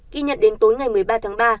ghi nhận đến tối ngày một mươi ba tháng ba